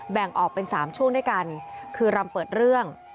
แบ่งออกเป็น๓ช่วงด้วยกันคือรำเปิดเรื่อง